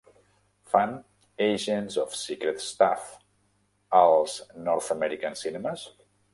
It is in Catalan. Fan "Agents of Secret Stuff" als North American Cinemas?